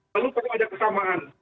lalu perlu ada kesamaan